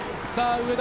上田。